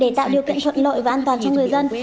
để tạo điều kiện thuận lợi và an toàn cho người dân